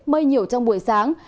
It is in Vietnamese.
mây nhiều trong buổi sáng